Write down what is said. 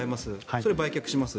それ売却します